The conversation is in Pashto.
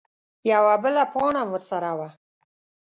_يوه بله پاڼه ام ورسره وه.